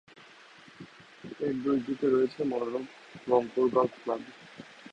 এর দুই দিকে রয়েছে মনোরম রংপুর গলফ ক্লাব।